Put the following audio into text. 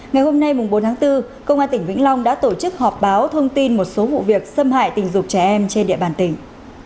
ngày hôm nay bốn tháng bốn công an tỉnh vĩnh long đã tổ chức họp báo thông tin một số vụ việc xâm hại tình dục trẻ em trên địa bàn tỉnh